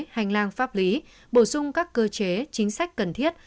hành lang pháp lý bổ sung các cơ chế chính sách cần thiết